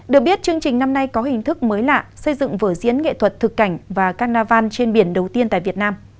được biết chương trình năm nay có hình thức mới lạ xây dựng vở diễn nghệ thuật thực cảnh và carnival trên biển đầu tiên tại việt nam